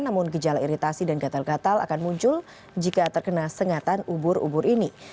namun gejala iritasi dan gatal gatal akan muncul jika terkena sengatan ubur ubur ini